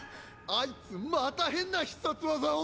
アイツまた変な必殺技を！